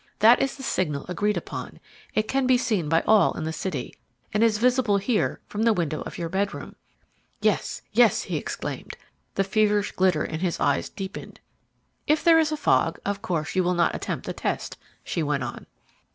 That is the signal agreed upon; it can be seen by all in the city, and is visible here from the window of your bedroom." "Yes, yes," he exclaimed. The feverish glitter in his eyes deepened. "If there is a fog, of course you will not attempt the test," she went on.